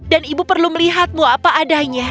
dan ibu perlu melihatmu apa adanya